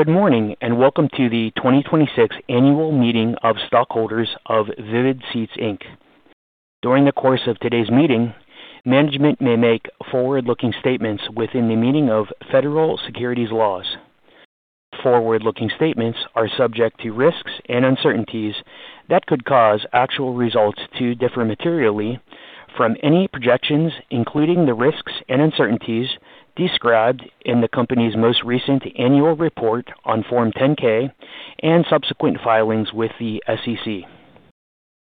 Good morning, welcome to the 2026 annual meeting of stockholders of Vivid Seats Inc. During the course of today's meeting, management may make forward-looking statements within the meaning of federal securities laws. Forward-looking statements are subject to risks and uncertainties that could cause actual results to differ materially from any projections, including the risks and uncertainties described in the company's most recent annual report on Form 10-K and subsequent filings with the SEC.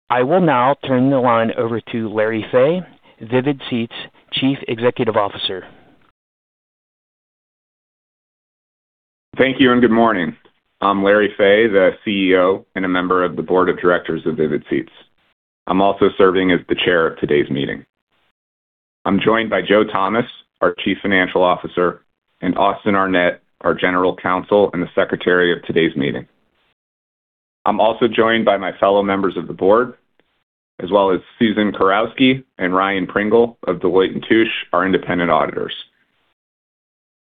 I will now turn the line over to Larry Fey, Vivid Seats' Chief Executive Officer. Thank you, and good morning. I'm Larry Fey, the CEO and a member of the Board of Directors of Vivid Seats. I'm also serving as the chair of today's meeting. I'm joined by Joe Thomas, our Chief Financial Officer, and Austin Arnett, our General Counsel and the secretary of today's meeting. I'm also joined by my fellow members of the board, as well as Susan Kurowski and Ryan Pringle of Deloitte & Touche, our independent auditors.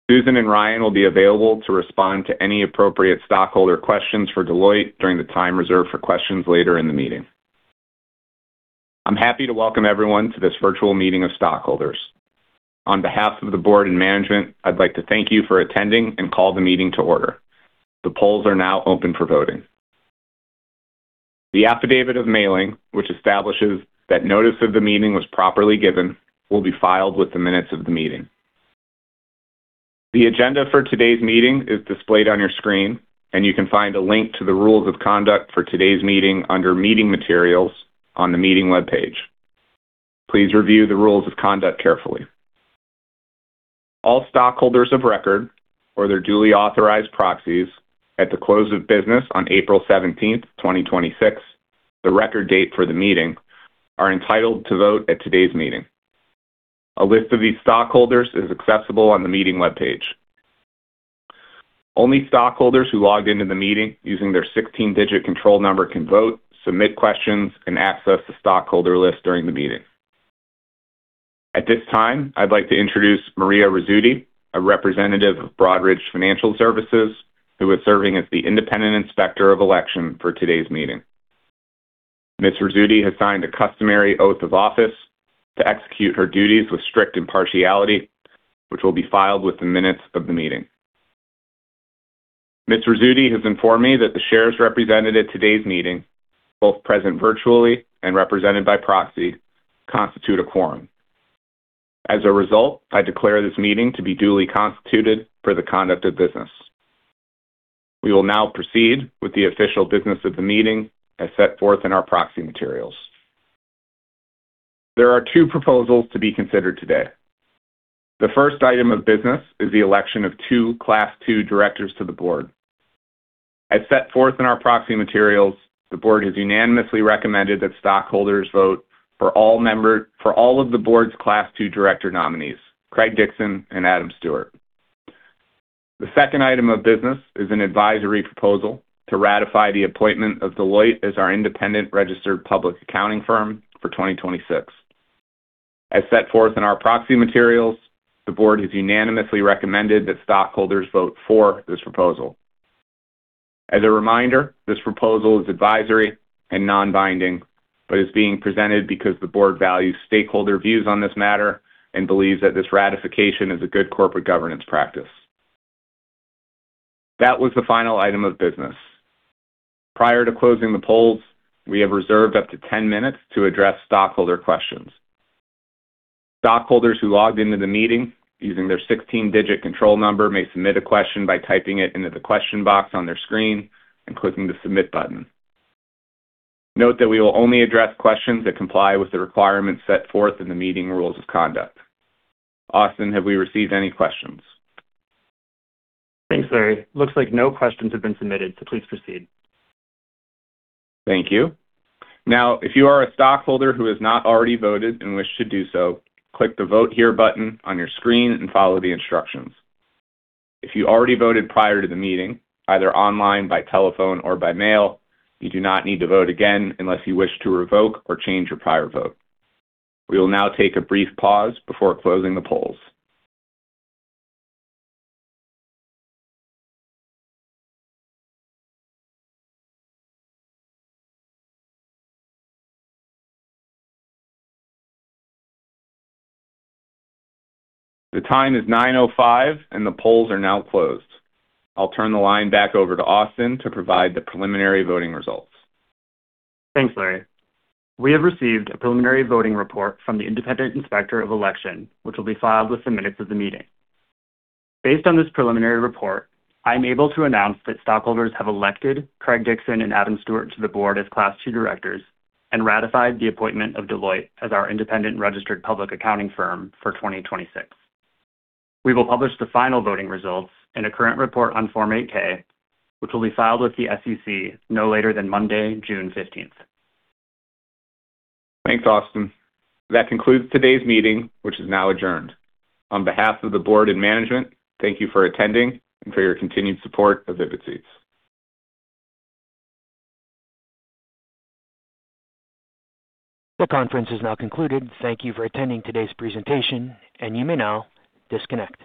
Susan and Ryan will be available to respond to any appropriate stockholder questions for Deloitte during the time reserved for questions later in the meeting. I'm happy to welcome everyone to this virtual meeting of stockholders. On behalf of the board and management, I'd like to thank you for attending and call the meeting to order. The polls are now open for voting. The affidavit of mailing, which establishes that notice of the meeting was properly given, will be filed with the minutes of the meeting. The agenda for today's meeting is displayed on your screen, and you can find a link to the rules of conduct for today's meeting under Meeting Materials on the meeting webpage. Please review the rules of conduct carefully. All stockholders of record or their duly authorized proxies at the close of business on April 17th, 2026, the record date for the meeting, are entitled to vote at today's meeting. A list of these stockholders is accessible on the meeting webpage. Only stockholders who logged into the meeting using their 16-digit control number can vote, submit questions, and access the stockholder list during the meeting. At this time, I'd like to introduce Maria Rizzuti, a representative of Broadridge Financial Solutions, who is serving as the independent inspector of election for today's meeting. Ms. Rizzuti has signed a customary oath of office to execute her duties with strict impartiality, which will be filed with the minutes of the meeting. Ms. Rizzuti has informed me that the shares represented at today's meeting, both present virtually and represented by proxy, constitute a quorum. As a result, I declare this meeting to be duly constituted for the conduct of business. We will now proceed with the official business of the meeting as set forth in our proxy materials. There are two proposals to be considered today. The first item of business is the election of two Class II directors to the board. As set forth in our proxy materials, the board has unanimously recommended that stockholders vote for all of the board's Class II director nominees, Craig Dixon and Adam Stewart. The second item of business is an advisory proposal to ratify the appointment of Deloitte as our independent registered public accounting firm for 2026. As set forth in our proxy materials, the board has unanimously recommended that stockholders vote for this proposal. As a reminder, this proposal is advisory and non-binding, but is being presented because the board values stakeholder views on this matter and believes that this ratification is a good corporate governance practice. That was the final item of business. Prior to closing the polls, we have reserved up to 10 minutes to address stockholder questions. Stockholders who logged into the meeting using their 16-digit control number may submit a question by typing it into the question box on their screen and clicking the Submit button. Note that we will only address questions that comply with the requirements set forth in the meeting rules of conduct. Austin, have we received any questions? Thanks, Larry. Looks like no questions have been submitted. Please proceed. Thank you. Now, if you are a stockholder who has not already voted and wish to do so, click the Vote Here button on your screen and follow the instructions. If you already voted prior to the meeting, either online, by telephone, or by mail, you do not need to vote again unless you wish to revoke or change your prior vote. We will now take a brief pause before closing the polls. The time is 9:05 A.M., and the polls are now closed. I'll turn the line back over to Austin to provide the preliminary voting results. Thanks, Larry. We have received a preliminary voting report from the independent inspector of election, which will be filed with the minutes of the meeting. Based on this preliminary report, I am able to announce that stockholders have elected Craig Dixon and Adam Stewart to the board as Class II directors and ratified the appointment of Deloitte as our independent registered public accounting firm for 2026. We will publish the final voting results in a current report on Form 8-K, which will be filed with the SEC no later than Monday, June 15th. Thanks, Austin. That concludes today's meeting, which is now adjourned. On behalf of the board and management, thank you for attending and for your continued support of Vivid Seats. This conference is now concluded. Thank you for attending today's presentation, and you may now disconnect.